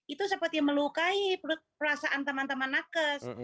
itu seperti melukai perasaan teman teman nakes